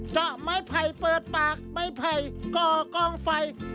เจาะไม้ไผ่เปิดปากไม้ไผ่ก่อกองไฟ